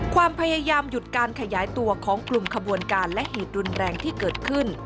ความพยายามหยุดการขยายตัวของกลุ่มขบวนการและเหตุรุนแรงที่เกิดขึ้น